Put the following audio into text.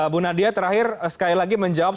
bu nadia terakhir sekali lagi menjawab